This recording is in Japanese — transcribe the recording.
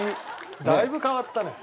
だいぶ変わったね。